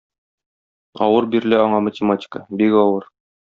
Авыр бирелә аңа математика, бик авыр.